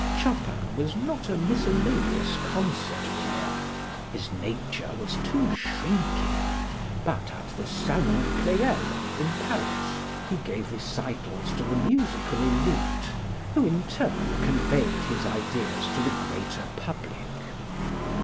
Chopin was not a miscellaneous concert player his nature was too shrinking; but at the Salon Pleyel in Paris he gave recitals to the musical élite, who in turn conveyed his ideas to the greater public.